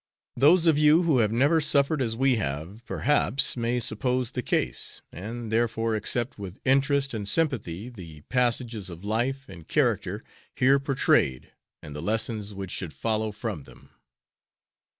Those of you who have never suffered as we have, perhaps may suppose the case, and therefore accept with interest and sympathy the passages of life and character here portrayed and the lessons which should follow from them.